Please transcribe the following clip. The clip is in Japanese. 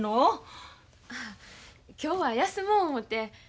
今日は休もう思て。